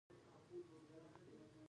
لمر راخیږي